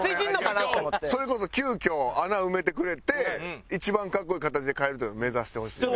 それこそ急遽穴を埋めてくれて一番格好いい形で帰るというのを目指してほしいです。